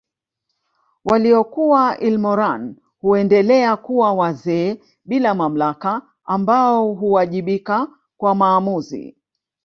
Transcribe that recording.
Waliokuwa ilmoran huendelea kuwa wazee bila mamlaka ambao huwajibika kwa maamuzi